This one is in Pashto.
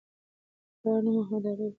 پلار نوم: محمد عارف